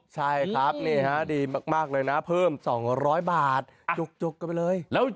ใช่ครับนี่ฮะดีมากเลยนะเพิ่ม๒๐๐บาทจุกกันไปเลย